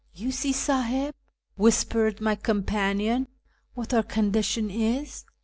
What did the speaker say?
" You see, 8iihib," whis pered my companion, " what our condition is.